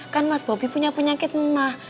kan mas bobi punya penyakit emah